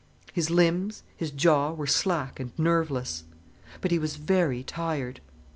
His limbs, his jaw, were slack and nerveless. But he was very tired.